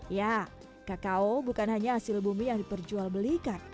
ya kakao bukan hanya hasil bumi yang diperjual belikan